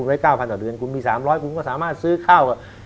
เดือนคุณมี๓๐๐คุณก็สามารถซื้อข้าว